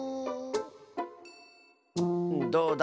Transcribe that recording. どうだ？